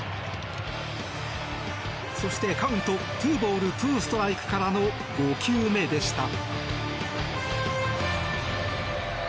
そして、カウントツーボールツーストライクからの５球目でした。